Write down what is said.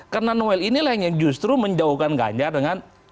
karena noel inilah yang justru menjauhkan ganjar dengan pdip